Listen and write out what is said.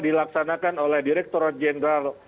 dilaksanakan oleh direkturat jenderal